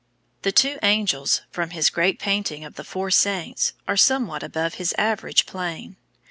The Two Angels, from his great painting of the Four Saints, are somewhat above his average plane.